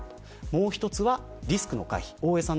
もう一つはリスクの回避。